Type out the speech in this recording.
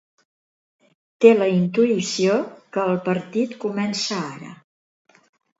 Té la intuïció que el partit comença ara.